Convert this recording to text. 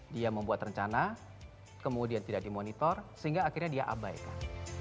dia membuat rencana kemudian tidak dimonitor sehingga akhirnya dia abaikan